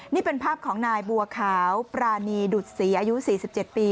นี่เป็นภาพของนายบัวขาวปรานีดุดศรีอายุ๔๗ปี